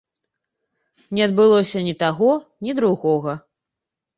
Не адбылося ні таго, ні другога.